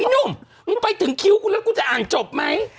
หนุ่มมึงไปถึงคิ้วกูแล้วกูจะอ่านจบไหม